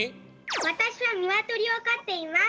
わたしはニワトリをかっています。